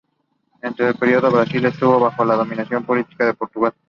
En este período Brasil estuvo bajo el dominio político de Portugal.